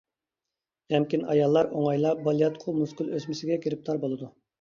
غەمكىن ئاياللار ئوڭايلا بالىياتقۇ مۇسكۇل ئۆسمىسىگە گىرىپتار بولىدۇ.